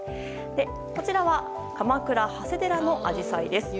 こちらは鎌倉・長谷寺のアジサイです。